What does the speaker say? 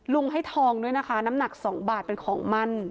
ให้ทองด้วยนะคะน้ำหนัก๒บาทเป็นของมั่น